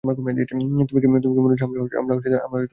তুমি কি মনে করো যে, আমরা আলাদা, বায?